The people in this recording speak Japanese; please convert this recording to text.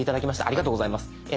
ありがとうございます。